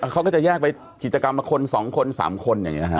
เขาก็จะแยกไปกิจกรรมมาคน๒คน๓คนอย่างนี้นะฮะ